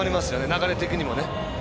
流れ的にもね。